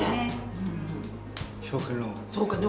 そうかの。